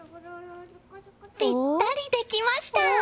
ぴったりできました！